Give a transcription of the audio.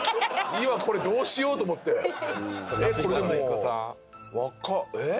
今これどうしようと思ってえっ